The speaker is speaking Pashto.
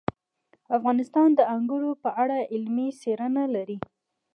افغانستان د انګور په اړه علمي څېړنې لري.